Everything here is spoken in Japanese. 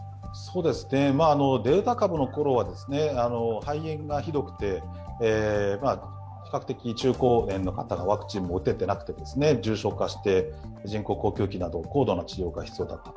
デルタ株のころは肺炎がひどくて比較的中高年の方がワクチンも打ててなくて重症化して人工呼吸器など高度な治療が必要でした。